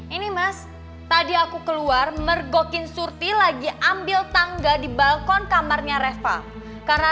ini mas tadi aku keluar mergokin surti lagi ambil tangga di balkon kamarnya reva karena